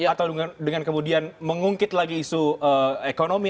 atau dengan kemudian mengungkit lagi isu ekonomi